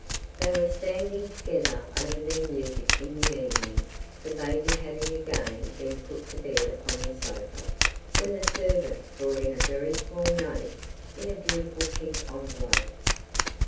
They were standing together over their music in the evening, the baby having again been put to bed upon the sofa, when the servant brought in a very small note in a beautiful pink envelope.